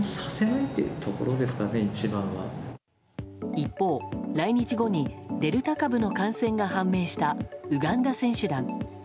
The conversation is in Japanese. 一方、来日後にデルタ株の感染が判明したウガンダ選手団。